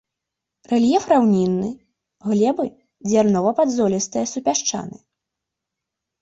Рэльеф раўнінны, глебы дзярнова-падзолістыя супясчаныя.